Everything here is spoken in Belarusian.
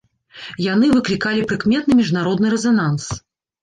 Яны выклікалі прыкметны міжнародны рэзананс.